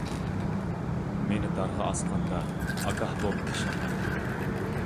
مېنى دارغا ئاسقاندا، ئاگاھ بول بېشىڭغا.